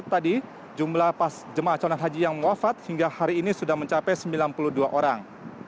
tadi jumlah jemaah calon haji yang mewafat hingga hari ini sudah mencapai sembilan puluh dua orang